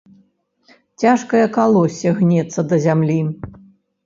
Цяжкае калоссе гнецца да зямлі.